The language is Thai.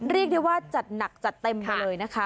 เรียกได้ว่าจัดหนักจัดเต็มไปเลยนะคะ